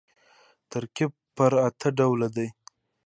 ترکیب پر اته ډوله دئ.